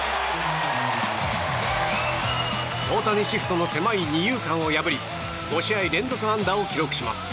大谷シフトの狭い二遊間を破り５試合連続安打を記録します。